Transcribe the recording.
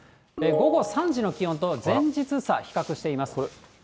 午後３時の気温と前日差、比較しています。